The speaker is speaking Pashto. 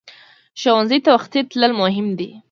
ښوونځی ته وختي تلل مهم دي